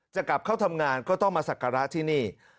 จะกลับเข้าทำงานก็ต้องมาสักการะที่นี่